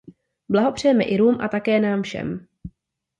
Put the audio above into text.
Blahopřejeme Irům a také nám všem.